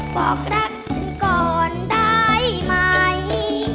บอกรักฉันก่อนได้ไหม